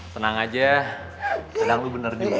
tenang aja kadang lu bener juga